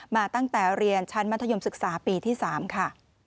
มาตั้งแต่เรียนชั้นมัธยมศึกษาปีที่๓ค่ะ